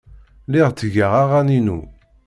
Lliɣ ttgeɣ aɣan-inu.